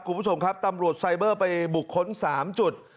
คุณผู้ชมครับตำรวจไซเบอร์ไปบุคคล๓จุด